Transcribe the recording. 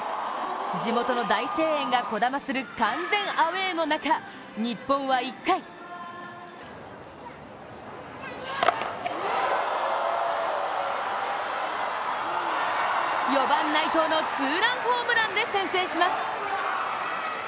地元の大声援がこだまする完全アウェーの中、日本は１回４番・内藤のツーランホームランで先制します。